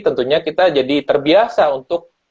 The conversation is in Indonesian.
tentunya kita jadi terbiasa untuk